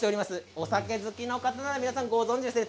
お酒好きの方なら、ご存じですね。